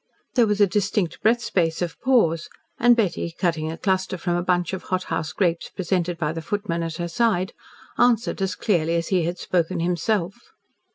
There was a distinct breath's space of pause, and Betty, cutting a cluster from a bunch of hothouse grapes presented by the footman at her side, answered as clearly as he had spoken himself.